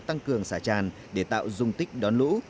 tăng cường xả tràn để tạo dung tích đón lũ